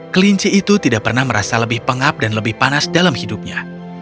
kelinci itu tidak pernah merasa lebih pengap dan lebih panas dalam hidupnya